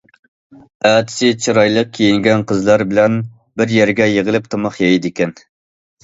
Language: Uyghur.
ئەتىسى چىرايلىق كىيىنگەن قىزلار بىلەن بىر يەرگە يىغىلىپ تاماق يەيدىكەن.